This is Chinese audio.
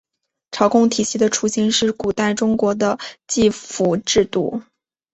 朝贡体系的雏形是古代中国的畿服制度。